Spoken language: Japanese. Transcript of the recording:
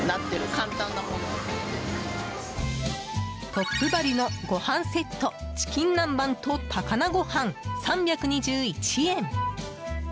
トップバリュのごはんセットチキン南蛮と高菜ごはん３２１円。